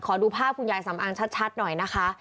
ดูภาพคุณยายสำอางชัดหน่อยนะคะ